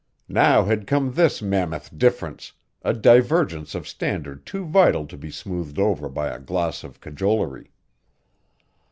Now had come this mammoth difference, a divergence of standard too vital to be smoothed over by a gloss of cajolery.